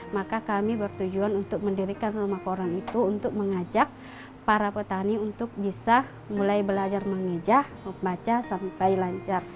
maka kami bertujuan untuk mendirikan rumah koran itu untuk mengajak para petani untuk bisa mulai belajar mengejah membaca sampai lancar